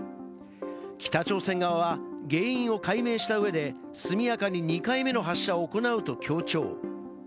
北朝鮮側は原因を解明した上で、速やかに２回目の発射を行うと強調。